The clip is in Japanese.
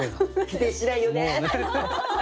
否定しないよね。